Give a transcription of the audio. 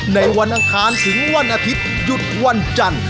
ในวันอังคารถึงวันอาทิตย์หยุดวันจันทร์